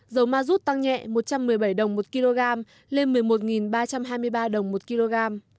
dầu ma rút tăng nhẹ một trăm một mươi bảy đồng một kg lên một mươi một ba trăm hai mươi ba đồng một kg